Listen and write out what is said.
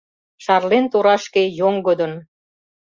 Шарлен торашке йоҥгыдын